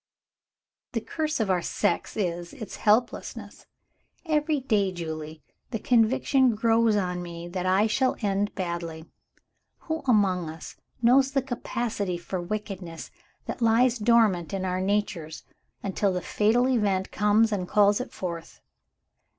The curse of our sex is its helplessness. Every day, Julie, the conviction grows on me that I shall end badly. Who among us knows the capacity for wickedness that lies dormant in our natures, until the fatal event comes and calls it forth?